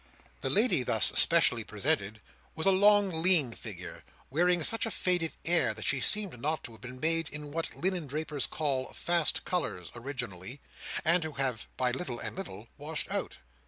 The lady thus specially presented, was a long lean figure, wearing such a faded air that she seemed not to have been made in what linen drapers call "fast colours" originally, and to have, by little and little, washed out.